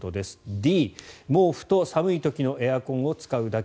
Ｄ、毛布と寒い時のエアコンを使うだけ。